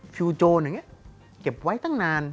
พี่โจเนี่ยเก็บไว้ตั้งนาน